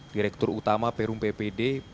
direktur utama perum ppd pande pembangunan